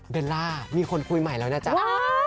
เวลามีคนคุยใหม่แล้วนะจ๊ะ